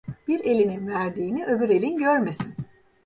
Bir elinin verdiğini öbür elin görmesin.